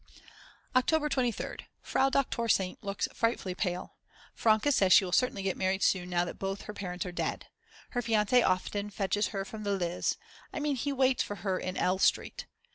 October 23rd. Frau Doktor St. looks frightfully pale. Franke says she will certainly get married soon now that both her parents are dead. Her fiance often fetches her from the Lyz, I mean he waits for her in L. Street.